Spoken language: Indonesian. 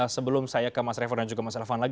sebelum saya ke mas revo dan juga mas elvan lagi